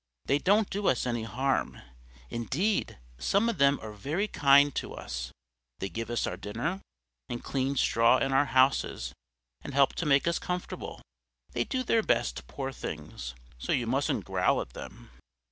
They don't do us any harm; indeed, some of them are very kind to us they give us our dinner, and clean straw in our houses, and help to make us comfortable. They do their best, poor things, so you mustn't growl at them."